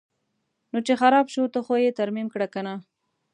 نو چې خراب شو ته خو یې ترمیم کړه کنه.